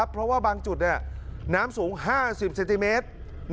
เพราะว่าบางจุดน้ำสูง๕๐เซนติเมตร